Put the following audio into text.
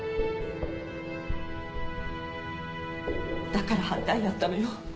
だから反対やったのよ。